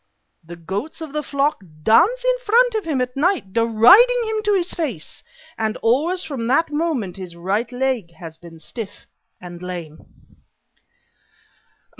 The goats of the flocks dance in front of him at night, deriding him to his face, and always from that moment his right leg has been stiff and lame."